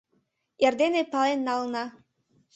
Эрдене пален налына.